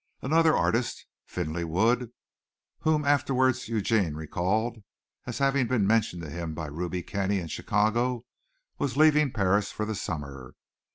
Another artist, Finley Wood, whom afterwards Eugene recalled as having been mentioned to him by Ruby Kenny, in Chicago, was leaving Paris for the summer.